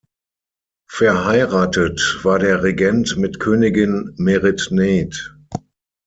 Verheiratet war der Regent mit Königin Meritneith.